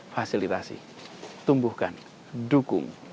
fasilitasi tumbuhkan dukung